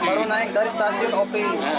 baru naik dari stasiun op